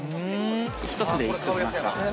１つで行っておきますか？